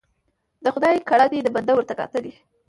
ـ د خداى کړه دي د بنده ورته کاته دي.